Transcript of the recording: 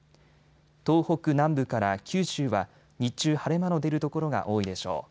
東北南部から九州は日中、晴れ間の出る所が多いでしょう。